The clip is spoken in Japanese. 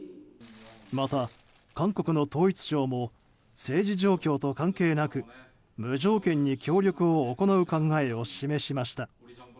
また韓国の統一相も政治状況と関係なく無条件に協力を行う考えを示しました。